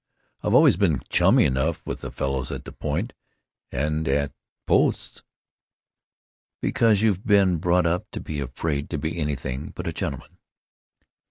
I've always been chummy enough with the fellows at the Point and at posts." "Because you've been brought up to be afraid to be anything but a gentleman."